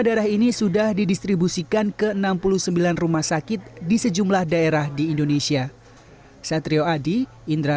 darah ini sudah didistribusikan ke enam puluh sembilan rumah sakit di sejumlah daerah di indonesia satrio adi indra